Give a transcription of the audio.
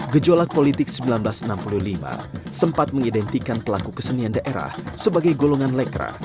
gejolak politik seribu sembilan ratus enam puluh lima sempat mengidentikan pelaku kesenian daerah sebagai golongan lekra